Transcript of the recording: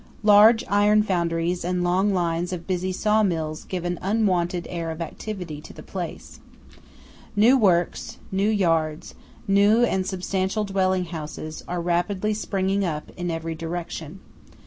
Large iron foundries and long lines of busy saw mills give an unwonted air of activity to the place. New works, new yards, new and substantial dwelling houses, are rapidly springing up in every direction.